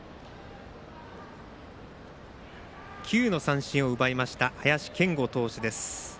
９の三振を奪いました林謙吾投手です。